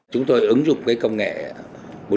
chúng tôi ứng dụng cái công nghệ bốn vào trong nhà xuất